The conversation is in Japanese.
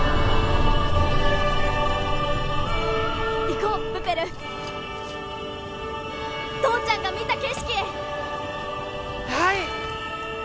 行こうプペル父ちゃんが見た景色へはい！